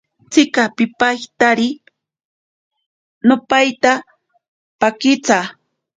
Tsika pipaitari. No paita pakitsa.